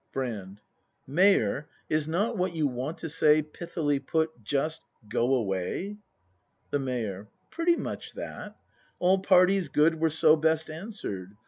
Brand. Mayor, is not what you want to say. Pithily put, just: "Go away"? The Mayor. Pretty much that. All parties' good Were so best answered.